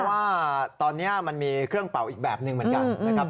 ว่าตอนนี้มันมีเครื่องเป่าอีกแบบหนึ่งเหมือนกันนะครับ